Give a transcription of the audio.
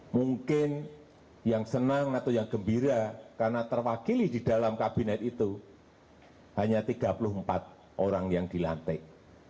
mungkin yang senang atau yang gembira karena terwakili di dalam kabinet itu hanya tiga puluh empat orang yang dilantik